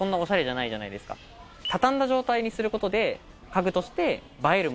畳んだ状態にすることで。